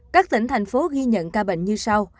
các tỉnh thành phố ghi nhận ca bệnh như sau